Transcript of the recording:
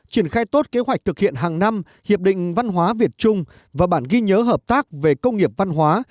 triển khai tốt kế hoạch thực hiện hàng năm hiệp định văn hóa việt trung và bản ghi nhớ hợp tác về công nghiệp văn hóa